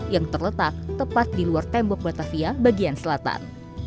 yang terletak tepat di luar tembok batavia bagian selatan